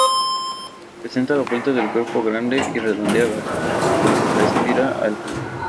Presenta la vuelta del cuerpo grande y redondeada, con la espira alta.